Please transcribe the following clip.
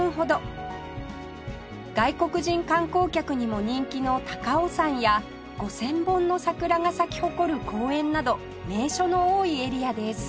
外国人観光客にも人気の高尾山や５０００本の桜が咲き誇る公園など名所の多いエリアです